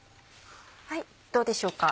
どうでしょうか？